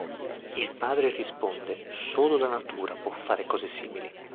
Il padre risponde: "Solo la natura può fare cose simili.